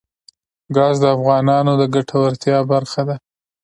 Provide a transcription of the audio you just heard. ګاز د افغانانو د ګټورتیا برخه ده.